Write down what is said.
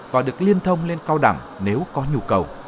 và được liên thông lên cao đẳng nếu có nhu cầu